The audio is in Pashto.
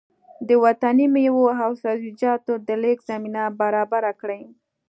د وطني مېوو او سبزيجاتو د لېږد زمينه برابره کړي